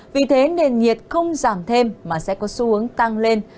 vì thế nền nhiệt không giảm thêm mà sẽ có xu hướng tăng lên